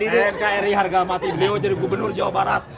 di nkri harga mati beliau jadi gubernur jawa barat